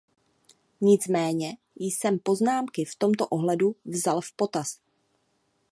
Nicméně jsem poznámky v tomto ohledu vzal v potaz.